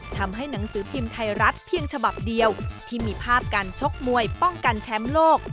หนังสือพิมพ์ไทยรัฐเพียงฉบับเดียวที่มีภาพการชกมวยป้องกันแชมป์โลก